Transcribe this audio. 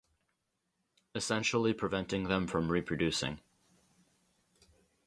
Essentially preventing them from reproducing.